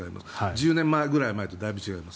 １０年ぐらい前とだいぶ違います。